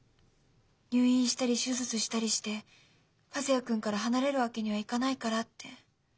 入院したり手術したりして和也君から離れるわけにはいかないからって。